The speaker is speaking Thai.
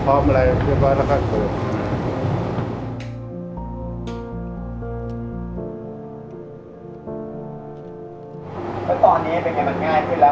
สวัสดีครับผมชื่อสามารถชานุบาลชื่อเล่นว่าขิงถ่ายหนังสุ่นแห่ง